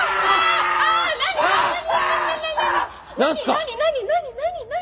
何何何何何？